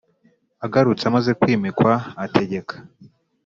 Agarutse amaze kwimikwa ategeka